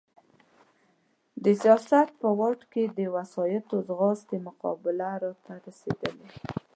د سیاست په واټ کې د وسایطو ځغاستې مقابله را رسېدلې.